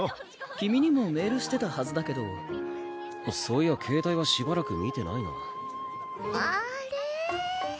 君にもメールしてたはずだけどそういや携帯はしばらく見てないなあれ？